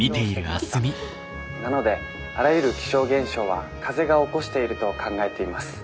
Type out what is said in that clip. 「なのであらゆる気象現象は風が起こしていると考えています。